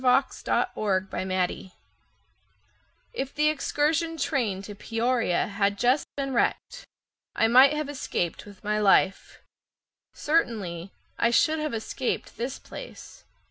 Barney Hainsfeather If the excursion train to Peoria Had just been wrecked, I might have escaped with my life— Certainly I should have escaped this place.